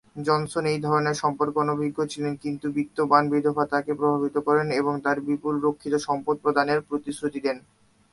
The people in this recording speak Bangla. জনসন এই ধরনের সম্পর্কে অনভিজ্ঞ ছিলেন, কিন্তু বিত্তবান বিধবা তাকে প্রভাবিত করেন এবং তার বিপুল রক্ষিত সম্পদ প্রদানের প্রতিশ্রুতি দেন।